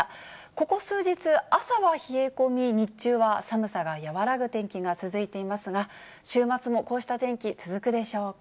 ここ数日、朝は冷え込み、日中は寒さが和らぐ天気が続いていますが、週末もこうした天気、続くでしょうか。